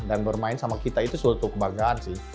dan bermain sama kita itu sudah tuh kebanggaan sih